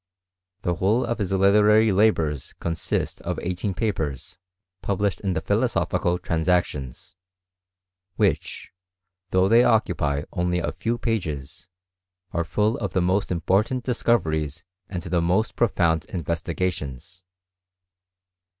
The whole of his literary labours con sist of eighteen papers, published in the Philosophical Transactions, which, though they occupy only a few pages, are full of the most important discoveries and the jmost profound investigations.